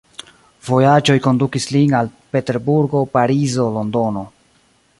Vojaĝoj kondukis lin al Peterburgo, Parizo, Londono.